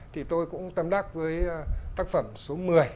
thì tôi cũng tâm đắc với tác phẩm số một mươi